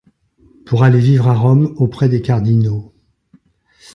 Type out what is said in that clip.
Pour aller vivre à Rome auprès des cardinaux